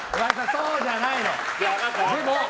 そうじゃないの！